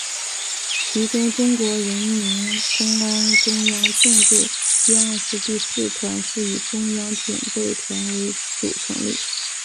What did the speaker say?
其中中国人民公安中央纵队第二师第四团是以中央警备团为主成立。